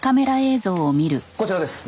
こちらです。